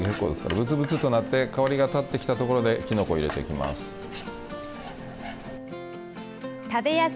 グツグツとなって香りが立ってきたところできのこを入れていきます。